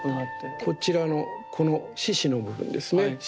こちらのこの獅子の部分ですね。